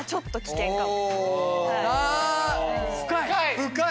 深い！